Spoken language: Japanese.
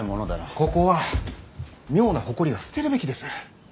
ここは妙な誇りは捨てるべきです。